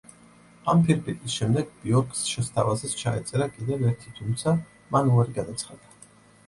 ამ ფირფიტის შემდეგ ბიორკს შესთავაზეს, ჩაეწერა კიდევ ერთი, თუმცა მან უარი განაცხადა.